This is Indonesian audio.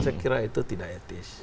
saya kira itu tidak etis